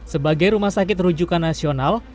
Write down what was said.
sebagai rumah sakit rujukan nasional